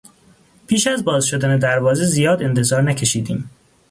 پیش از باز شدن دروازه زیاد انتظار نکشیدیم.